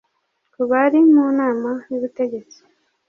ku bari mu Nama y Ubutegetsi